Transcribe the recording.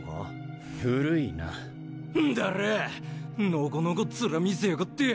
のこのこ面見せやがって。